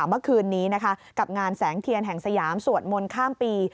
เมื่อคืนนี้นะคะกับงานแสงเทียนแห่งสยามสวดมนต์ข้ามปี